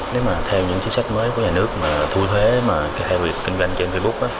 nếu mà theo những chính sách mới của nhà nước mà thu thuế mà theo việc kinh doanh trên facebook